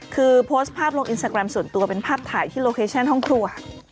คือโพสต์ภาพลงอินสตาแกรมส่วนตัวเป็นภาพถ่ายที่โลเคชั่นห้องครัว